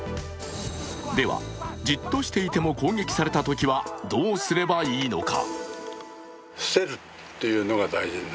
では、じっとしていても攻撃された場合はどうすればいいのか。